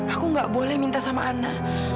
aku gak boleh minta sama ana